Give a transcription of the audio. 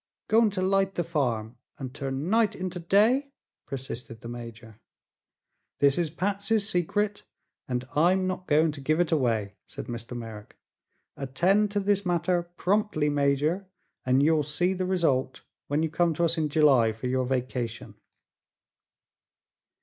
"Going to light the farm and turn night into day?" persisted the major. "This is Patsy's secret, and I'm not going to give it away," said Mr. Merrick. "Attend to this matter promptly, Major, and you'll see the result when you come to us in July for your vacation."